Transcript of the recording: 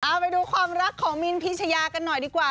เอาไปดูความรักของมินพีชยากันหน่อยดีกว่า